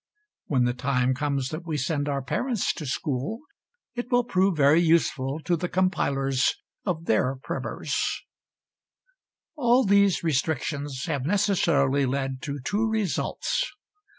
When the time comes that we send our parents to school, it will prove very useful to the compilers of their primers. All these restrictions have necessarily led to two results.